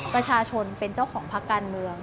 ประชาชนเป็นเจ้าของพักการเมือง